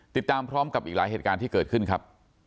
ติดตามพร้อมกับอีกหลายเหตุการณ์ที่เกิดขึ้นครับ